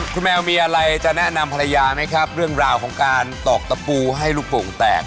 คุณแมวมีอะไรจะแนะนำภรรยาไหมครับเรื่องราวของการตอกตะปูให้ลูกโป่งแตก